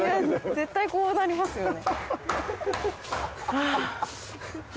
絶対こうなりますよね。